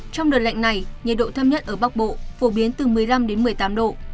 trong đợt lạnh này nhiệt độ thấp nhất ở bắc bộ phổ biến từ một mươi năm đến một mươi tám độ